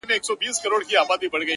• مخ ګلاب لېمه نرګس زلفي سنبل سوې..